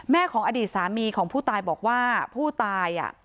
ของอดีตสามีของผู้ตายบอกว่าผู้ตาย